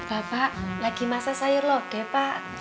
bapak lagi masak sayur loge pak